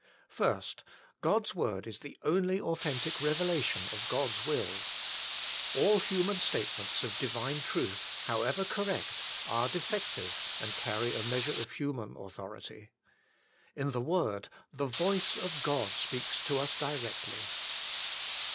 1. God's Word Is the Only Authentic Eeve LATiON OF God's Will. All human statements of Divine truth, however correct, are defective and carry a measure of human authority. In the Word, the voice of God speaks to us directly.